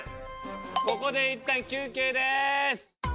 ここでいったん休憩です！